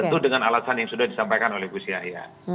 tentu dengan alasan yang sudah disampaikan oleh gus yahya